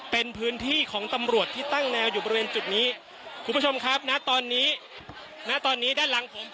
เป็นพื้นที่ของตำรวจที่ตั้งแนวอยู่บริเวณจุดนี้คุณผู้ชมครับณตอนนี้ณตอนนี้ด้านหลังผม